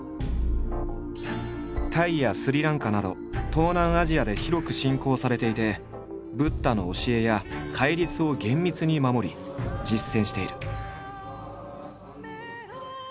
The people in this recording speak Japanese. タイやスリランカなど東南アジアで広く信仰されていてブッダの教えや戒律を厳密に守り実践している。